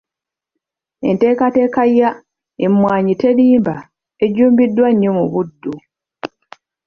Enteekateeka ya ‘Emmwanyi Terimba’ ejjumbiddwa nnyo mu Buddu.